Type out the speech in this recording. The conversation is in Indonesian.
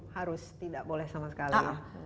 harus tidak boleh sama sekali